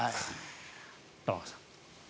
玉川さん。